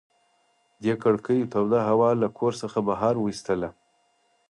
دې کړکیو توده هوا له کور څخه بهر ویستله.